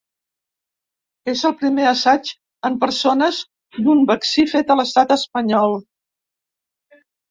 És el primer assaig en persones d’un vaccí fet a l’estat espanyol.